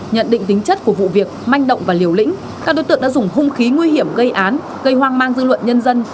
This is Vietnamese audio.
nhận định tính chất của vụ việc manh động và liều lĩnh các đối tượng đã dùng hung khí nguy hiểm gây án gây hoang mang dư luận nhân dân